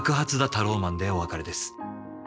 タローマン」でお別れです。